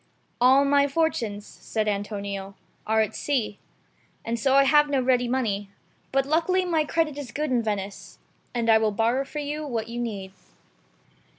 "All my fortunes," said Antonio, "are at sea, and so I have no ready money; but luckily my credit is good in Venice, and I will borrow for you what you need.